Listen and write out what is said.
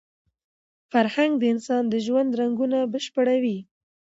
فرهنګ د انسان د ژوند رنګونه بشپړوي.